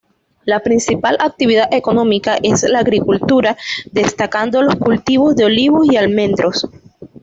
La principal actividad económica es la agricultura, destacando los cultivos de olivos y almendros.